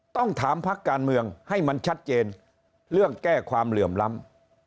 ต้องถามพักการเมืองให้มันชัดเจนเรื่องแก้ความเหลื่อมล้ำ